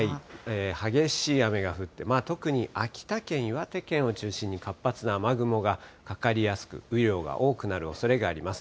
激しい雨が降って、特に秋田県、岩手県を中心に活発な雨雲がかかりやすく、雨量が多くなるおそれがあります。